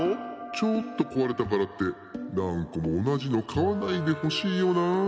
「ちょっとこわれたからってなんこもおなじのかわないでほしいよなあ。